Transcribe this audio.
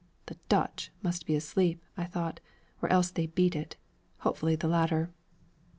'The "Dutch" must be asleep,' I thought, 'or else they beat it.' Hopefully the latter!